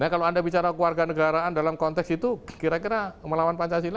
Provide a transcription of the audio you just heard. kalau anda bicara keluarga negaraan dalam konteks itu kira kira melawan pancasila